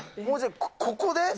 ここで？